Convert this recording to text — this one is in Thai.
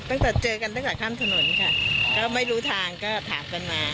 ตั้งแต่เจอกันตั้งแต่ข้ามถนนค่ะก็ไม่รู้ทางก็ถามกันมา